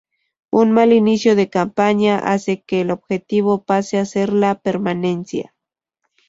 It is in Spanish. Un mal inicio de campaña hace que el objetivo pase a ser la permanencia.